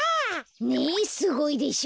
ねえすごいでしょ？